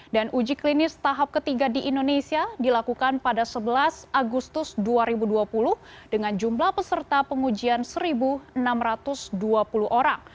dan uji klinis tahap ketiga di indonesia dilakukan pada sebelas agustus dua ribu dua puluh dengan jumlah peserta pengujian satu enam ratus dua puluh orang